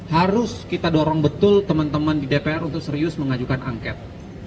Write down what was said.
harus kita dorong betul teman teman di dpr untuk serius mengajukan angket